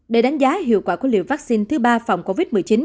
để đánh giá hiệu quả của liều vaccine thứ ba phòng covid một mươi chín